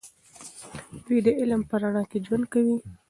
دوی د علم په رڼا کې ژوند کوي.